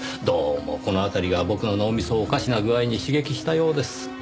どうもこの辺りが僕の脳みそをおかしな具合に刺激したようです。